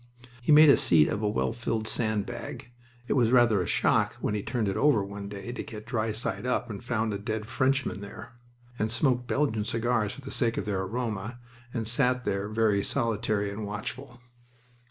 He made a seat of a well filled sand bag (it was rather a shock when he turned it over one day to get dry side up and found a dead Frenchman there), and smoked Belgian cigars for the sake of their aroma, and sat there very solitary and watchful.